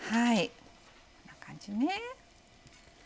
こんな感じね。